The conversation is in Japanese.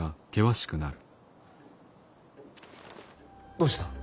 どうした？